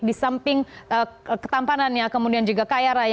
di samping ketampanannya kemudian juga kaya raya